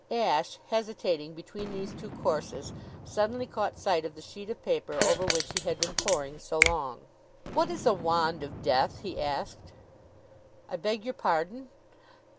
Ashe, hesitating between these two courses, suddenly caught sight of the sheet of paper over which he had been poring so long. "What is a wand of death?" he asked. "I beg your pardon?"